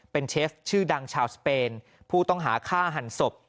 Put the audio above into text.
เป็นเชฟชื่อดังชาวสเปนผู้ต้องหาฆ่าหันศพ